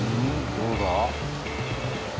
どうだ？